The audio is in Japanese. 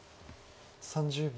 ３０秒。